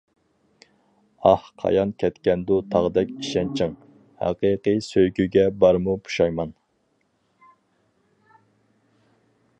ئاھ قايان كەتكەندۇ تاغدەك ئىشەنچىڭ، ھەقىقىي سۆيگۈگە بارمۇ پۇشايمان.